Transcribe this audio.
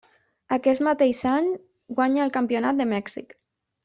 Aquest mateix any, guanya el campionat de Mèxic.